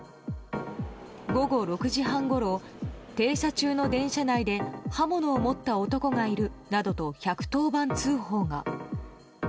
午後６時半ごろ停車中の電車内で刃物を持った男がいるなどと１１０番通報が。